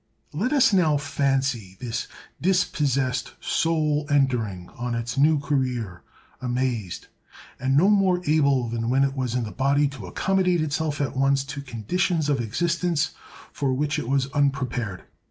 Let us now fancy this dispossessed soul entering on its new career, amazed, and no more able than when it was in the body to accommodate itself at once to conditions of existence for which it was unprepared.